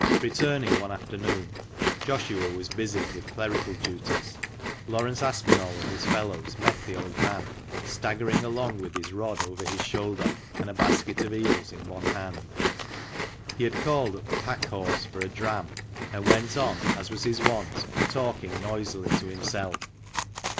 Returning one afternoon (Joshua was busied with clerical duties), Laurence Aspinall and his fellows met the old man staggering along with his rod over his shoulder and a basket of eels in one hand. He had called at the "Packhorse" for a dram, and went on, as was his wont, talking noisily to himself.